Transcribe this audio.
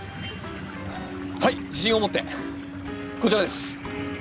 はい自信を持ってこちらです！